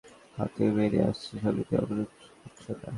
অথচ Real Madrid ডিফেন্ডারের হাত থেকে বেরিয়ে আসছে সংগীতের অপূর্ব মূর্ছনা।